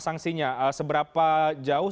sanksinya seberapa jauh